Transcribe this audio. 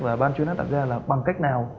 và ban chuyên án đặt ra là bằng cách nào